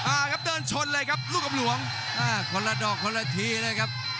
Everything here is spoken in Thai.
อ่าครับเดินชนเลยครับลูกกำหลวงอ่าคนละดอกคนละทีเลยครับ